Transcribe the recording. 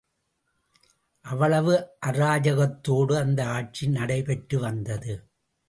அவ்வளவு அராஜகத்தோடு அந்த ஆட்சி நடைபெற்று வந்தது.